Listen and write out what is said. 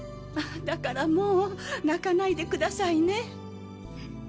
だからもう泣かないでくださいね。